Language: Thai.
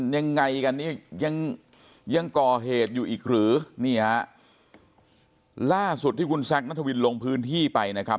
ยังไงกันนี่ยังยังก่อเหตุอยู่อีกหรือนี่ฮะล่าสุดที่คุณแซคนัทวินลงพื้นที่ไปนะครับ